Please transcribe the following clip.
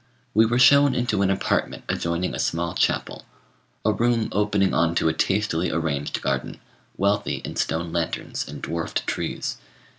We were shown into an apartment adjoining a small chapel a room opening on to a tastily arranged garden, wealthy in stone lanterns and dwarfed trees.